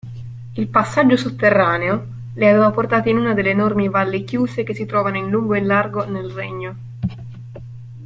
Il passaggio sotterraneo li aveva portati in una delle enormi valli chiuse che si trovavano in lungo e in largo nel Regno.